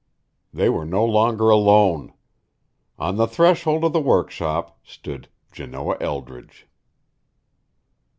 They were no longer alone. On the threshold of the workshop stood Janoah Eldridge.